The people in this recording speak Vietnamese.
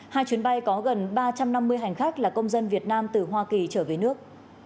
hai chuyến bay có gần ba trăm năm mươi hành khách là công dân việt nam từ hoa kỳ trở về nước